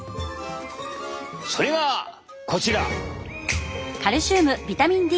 それがこちら！